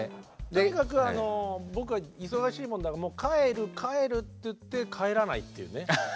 とにかく僕は忙しいもんだからもう帰る帰るって言って帰らないっていうね。